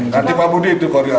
nanti pamu dizaarkan ya